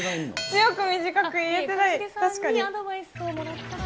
強く短く言えてない、確かに。